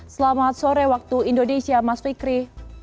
selamat sore waktu indonesia mas fikri